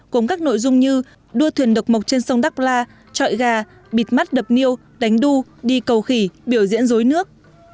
gồm các nội dung như đua thuyền độc mộc trên sông đắk la trọi gà bịt mắt đập niêu đánh đu đi cầu khỉ biểu diễn rối nước